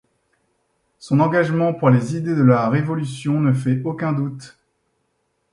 Son engagement pour les idées de la Révolution ne fait aucun doute.